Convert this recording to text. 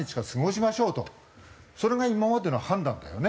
それが今までの判断だよね。